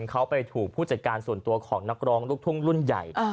เขาไปถูกผู้จัดการส่วนตัวของนักร้องลูกทุ่งรุ่นใหญ่